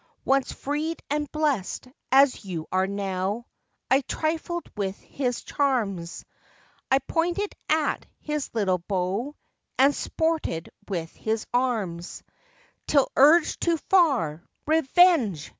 Once free and blest as you are now, I trifled with his charms, I pointed at his little bow, And sported with his arms, Till urged too far, Revenge!